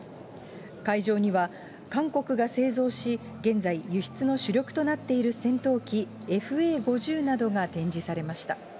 会場には、韓国が製造し、現在、輸出の主力となっている戦闘機ＦＡー５０などが展示されました。